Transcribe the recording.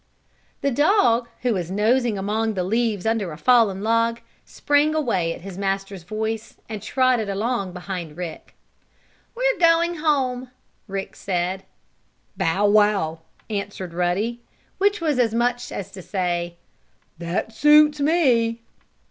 The dog, who was nosing among the leaves under a fallen log, sprang away at his master's voice and trotted along behind Rick. "We're going home!" Rick said. "Bow wow!" answered Ruddy, which was as much as to say: "That suits me!"